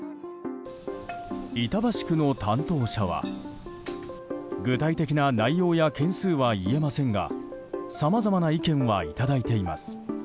板橋区の担当者は具体的な内容や件数は言えませんがさまざまな意見はいただいています。